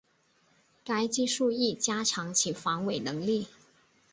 该技术亦加强其防伪能力。